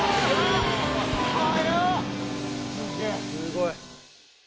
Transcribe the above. すごい。